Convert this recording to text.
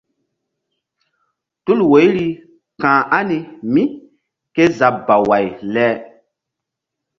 Tul woiri ka̧h ani mí ké zabaway le?